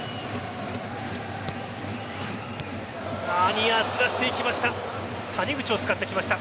ニア、すらしていきました。